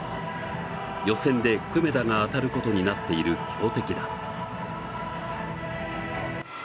予選で、久米田が当たることになっている強敵だ。